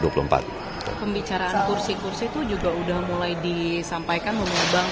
pembicaraan kursi kursi itu juga udah mulai disampaikan mengubah